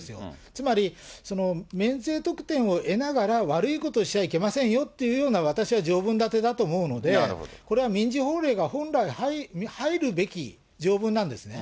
つまり免税特典をえながら悪いことをしてはいけませんよという、私は条文だてだと思うので、これは民事法例が本来は入るべき条文なんですね。